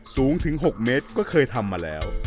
สูงถึง๖เมตรก็เคยทำมาแล้ว